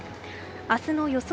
明日の予想